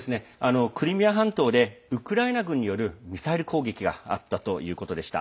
クリミア半島でウクライナ軍によるミサイル攻撃があったということでした。